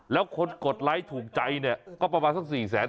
แล้วคนกดไลค์ถูกใจเนี่ยก็ประมาณสัก๔แสน